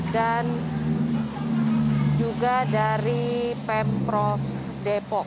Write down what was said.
dan juga dari pemprov depok